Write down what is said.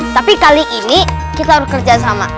tapi kali ini kita harus kerjasama